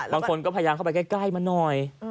บางคนก็พยายามเข้าไปใกล้มาหน่อย